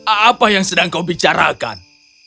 apa yang sedang kau bicarakan